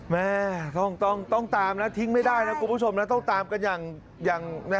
แม่ต้องตามนะทิ้งไม่ได้นะคุณผู้ชมนะต้องตามกันอย่าง